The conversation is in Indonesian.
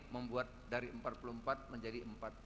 membuat dari empat puluh empat menjadi empat puluh